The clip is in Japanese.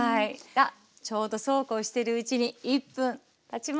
あっちょうどそうこうしてるうちに１分たちました。